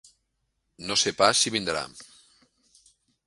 No sé pas si vindrà.